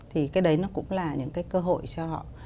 thì cái đấy nó cũng là những cái cơ hội cho họ